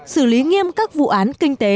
xử lý nghiêm các vụ án kinh tế